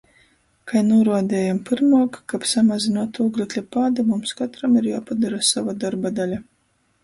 Kai nūruodejom pyrmuok, kab samazynuot ūglekļa pādu, mums kotram ir juopadora sova dorba daļa.